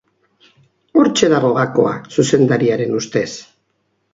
Hortxe dago gakoa, zuzendariaren ustez.